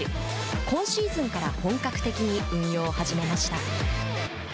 今シーズンから本格的に運用を始めました。